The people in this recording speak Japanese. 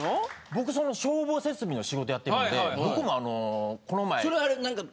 僕その消防設備の仕事やってるんで僕もあのこの前。